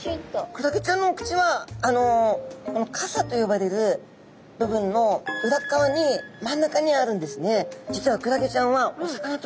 クラゲちゃんのお口はこの傘と呼ばれる部分の裏側に真ん中にあるんですね。